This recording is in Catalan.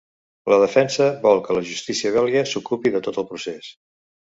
La defensa vol que la justícia belga s'ocupi de tot el procés.